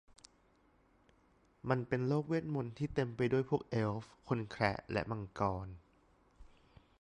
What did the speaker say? มันเป็นโลกเวทมนต์ที่เต็มไปด้วยพวกเอลฟ์ คนแคระและมังกร